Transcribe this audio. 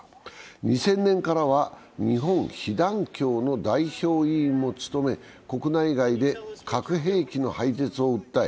２０００年からは日本被団協の代表委員も務め、国内外で核兵器の廃絶を訴え